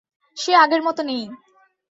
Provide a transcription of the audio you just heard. সে আগের মতো নেই।